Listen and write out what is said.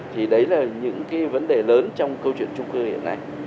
thì đấy là những cái vấn đề lớn trong câu chuyện trung cư hiện nay